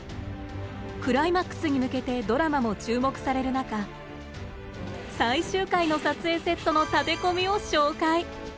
クライマックスに向けてドラマも注目される中最終回の撮影セットの建て込みを紹介！